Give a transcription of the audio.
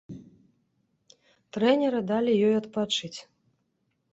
Трэнеры далі ёй адпачыць.